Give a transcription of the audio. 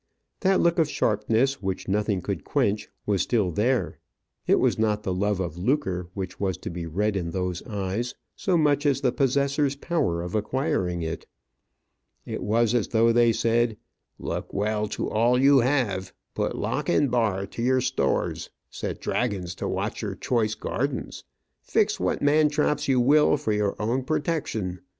That look of sharpness, which nothing could quench, was still there. It was not the love of lucre which was to be read in those eyes, so much as the possessor's power of acquiring it. It was as though they said, "Look well to all you have; put lock and bar to your stores; set dragons to watch your choice gardens; fix what man traps you will for your own protection.